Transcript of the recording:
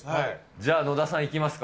じゃあ、野田さんいきますか？